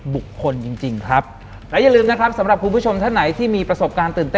หลังจากนั้นเราไม่ได้คุยกันนะคะเดินเข้าบ้านอืม